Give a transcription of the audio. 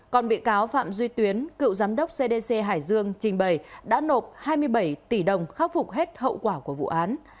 còn bị cáo phạm duy tuyến cựu giám đốc cdc hải dương trình bày đã nộp hai mươi bảy tỷ đồng khắc phục hết hậu quả của vụ án